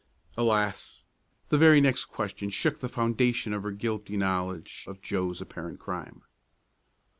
Alas! The very next question shook the foundation of her guilty knowledge of Joe's apparent crime.